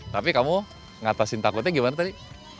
tapi kamu ngatasin takutnya gimana tadi